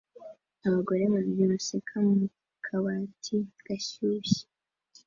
Abagore babiri baseka mu kabati gashyushye